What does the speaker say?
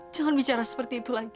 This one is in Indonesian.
jangan bicara seperti itu lagi